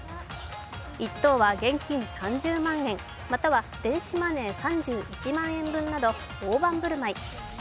１等は現金３０万円または、電子マネー３１万円分など大盤振る舞い。